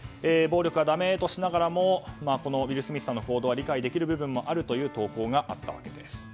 暴力はだめとしながらもウィル・スミスさんの行動は理解できる部分もあるという投稿があったわけです。